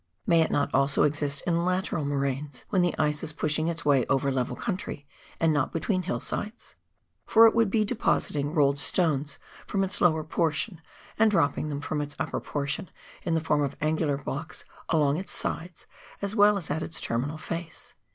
May it not also exist in lateral moraines, when the ice is pushing its way over level country and not between hill sides ? For it would be depositing rolled stones from its lower portion, and dropping them from its upper portion in the form of angular blocks along its sides, as well as at its terminal face.